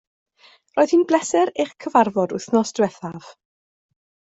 Roedd hi'n bleser eich cyfarfod wythnos diwethaf